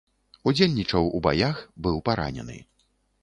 Удзельнічаў у баях, быў паранены.